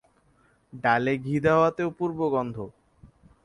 ডালে ঘি দেওয়াতে অপূর্ব গন্ধ।